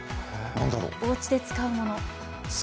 おうちで使うもの。